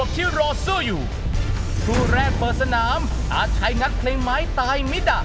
ที่จะพานาใชไปให้ได้